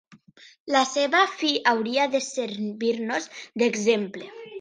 La seva fi hauria de servir-nos d'exemple.